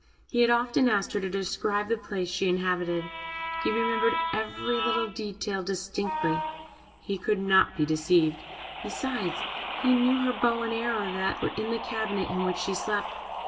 He had often asked her to describe the place she inhabited. He remembered every little detail distinctly. He could not be deceived; besides, he knew her bow and arrow that were in the cabinet in which she slept.